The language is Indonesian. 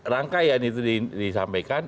rangkaian itu disampaikan